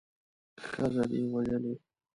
ښځه دې وژلې.